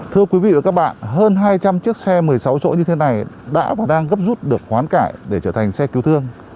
thưa quý vị và các bạn hơn hai trăm linh chiếc xe một mươi sáu chỗ như thế này đã và đang gấp rút được quán cải để trở thành xe cứu thương